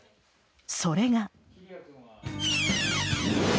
それが。